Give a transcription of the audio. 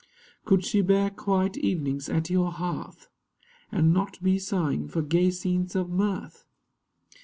Could she bear quiet evenings at your hearth, And not be sighing for gay scenes of mirth?